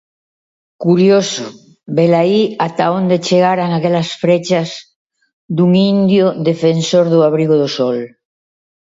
Curioso: velaí ata onde chegaran aquelas frechas dun indio defensor do Abrigo do Sol.